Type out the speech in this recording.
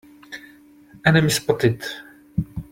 Enemy spotted!